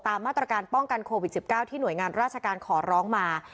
มาตรการป้องกันโควิด๑๙ที่หน่วยงานราชการขอร้องมา